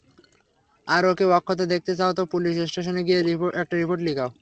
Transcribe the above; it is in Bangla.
আর ওকে অক্ষত দেখতে চাও তো, পুলিশ স্টেশনে গিয়ে একটা রিপোর্ট লিখাও।